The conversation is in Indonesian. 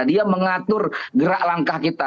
dia mengatur gerak langkah kita